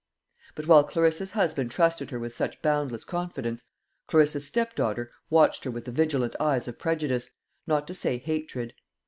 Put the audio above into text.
But while Clarissa's husband trusted her with such boundless confidence, Clarissa's stepdaughter watched her with the vigilant eyes of prejudice, not to say hatred.